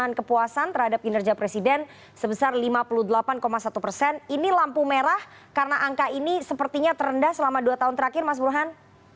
sebesar lima puluh delapan satu persen ini lampu merah karena angka ini sepertinya terendah selama dua tahun terakhir mas burhan